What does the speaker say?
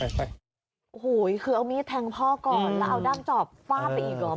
โอ้โหคือเอามีดแทงพ่อก่อนแล้วเอาด้ามจอบฟาดไปอีกเหรอ